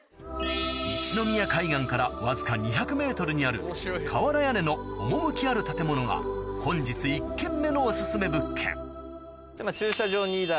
一宮海岸からわずか２００ｍにある瓦屋根の趣ある建物が本日１軒目のオススメ物件駐車場２台。